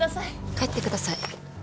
帰ってください。